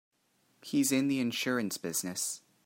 He's in the insurance business.